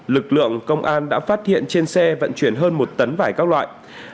lực lượng công an đã phát hiện trên xe vận chuyển hơn một tấn vải các loại